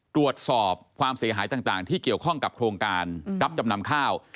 ตรวจสอบความเสียหายต่างที่เกี่ยวข้องกับโครงการรับจำนำข้าว